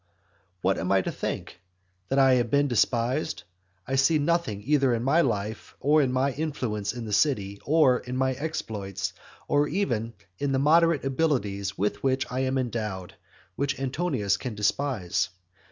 What am I to think? that I have been despised? I see nothing either in my life, or in my influence in the city, or in my exploits, or even in the moderate abilities with which I am endowed, which Antonius can despise.